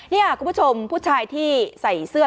นี่คุณผู้ชมผู้ชายที่ใส่เสื้อ